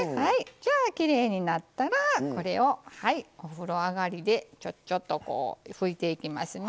じゃあきれいになったらこれをお風呂上がりでちょっちょっと拭いていきますね。